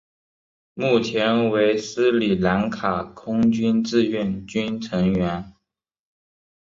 目前为斯里兰卡空军志愿军成员。